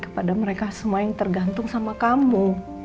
kepada mereka semua yang tergantung sama kamu